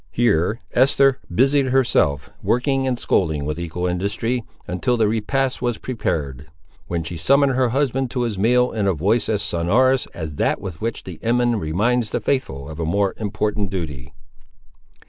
Here Esther busied herself, working and scolding with equal industry, until the repast was prepared; when she summoned her husband to his meal in a voice as sonorous as that with which the Imam reminds the Faithful of a more important duty.